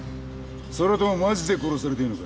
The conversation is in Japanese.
それともマジで殺されてぇのか？